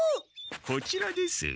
こちらです。